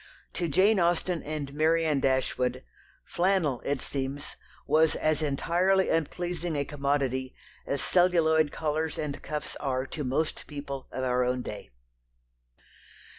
To Jane Austen and Marianne Dashwood flannel, it seems, was as entirely unpleasing a commodity as celluloid collars and cuffs are to most people of our own day.